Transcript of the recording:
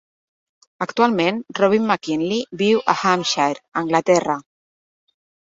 Actualment, Robin McKinley viu a Hampshire, Anglaterra.